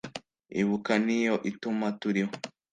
ibuka ni yo ituma turiho